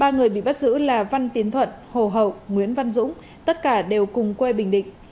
ba người bị bắt giữ là văn tiến thuận hồ hậu nguyễn văn dũng tất cả đều cùng quê bình định